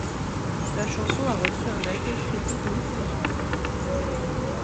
La chanson a reçu un accueil critique mitigé.